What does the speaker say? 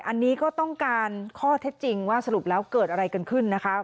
อันนี้ก็ต้องการข้อเท็จจริงว่าสรุปแล้วเกิดอะไรกันขึ้นนะคะ